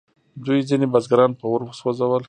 دوی ځینې بزګران په اور وسوځول.